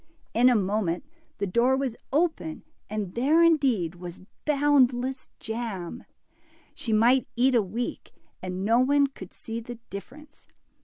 In a moment the door was open, and there indeed was boundless jam I' She might eat a week, and no one could see the difference.